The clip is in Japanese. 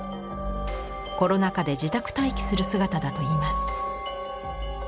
コロナ禍で自宅待機する姿だといいます。